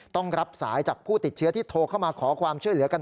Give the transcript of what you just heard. ต้องรับสายจากผู้ติดเชื้อที่โทรเข้ามาขอความช่วยเหลือกัน